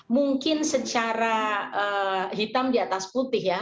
mungkin secara hitam di atas putih ya